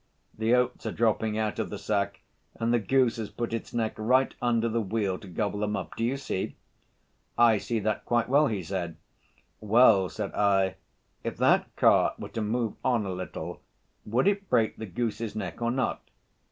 'The oats are dropping out of the sack, and the goose has put its neck right under the wheel to gobble them up—do you see?' 'I see that quite well,' he said. 'Well,' said I, 'if that cart were to move on a little, would it break the goose's neck or not?